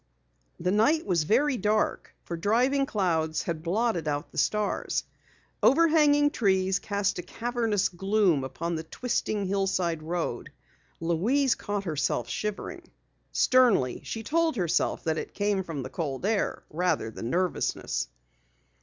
The night was very dark for driving clouds had blotted out the stars. Overhanging trees cast a cavernous gloom upon the twisting hillside road. Louise caught herself shivering. Sternly she told herself that it came from the cold air rather than nervousness.